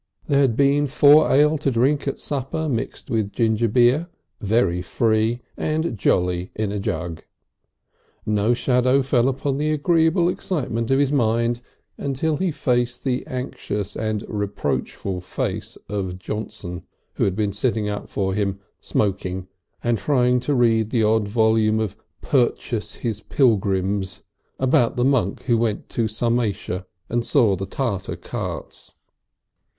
There had been four ale to drink at supper mixed with gingerbeer, very free and jolly in a jug. No shadow fell upon the agreeable excitement of his mind until he faced the anxious and reproachful face of Johnson, who had been sitting up for him, smoking and trying to read the odd volume of "Purchas his Pilgrimes," about the monk who went into Sarmatia and saw the Tartar carts.